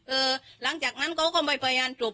หลังจากนั้นเขาก็ไม่พยายามจบ